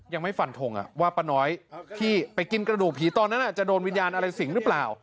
ยังไม่ฟันทงว่าป้าน้อยที่ไปกินกระดูกผีตอนนั้นจะโดนวิญญาณอะไรสิงหรือเปล่า